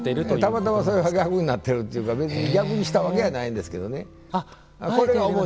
たまたま逆になっているというか別に逆にしたわけやないんですけどね。